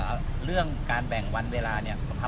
ไม่ใช่นี่คือบ้านของคนที่เคยดื่มอยู่หรือเปล่า